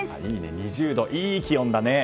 ２０度、いい気温だね。